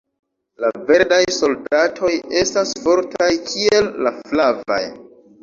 La verdaj soldatoj estas fortaj kiel la flavaj.